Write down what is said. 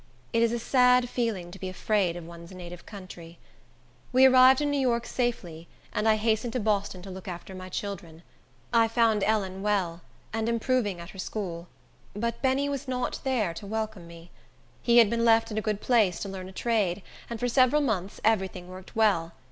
It is a sad feeling to be afraid of one's native country. We arrived in New York safely, and I hastened to Boston to look after my children. I found Ellen well, and improving at her school; but Benny was not there to welcome me. He had been left at a good place to learn a trade, and for several months every thing worked well.